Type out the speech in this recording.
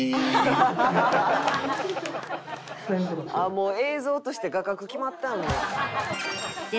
もう映像として画角決まってあんねや。